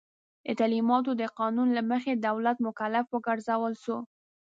د تعلیماتو د قانون له مخي دولت مکلف وګرځول سو.